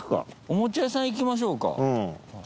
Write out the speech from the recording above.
おもちゃ屋さん行きましょうか。